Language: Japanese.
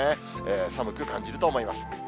寒く感じると思います。